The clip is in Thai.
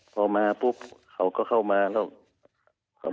พอมาปุ๊บเขาก็เข้ามาแล้ว